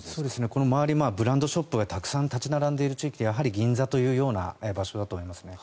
この周りはブランドショップがたくさん立ち並んでいる銀座というような場所だと思います。